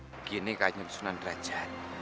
begini kajik sunan raja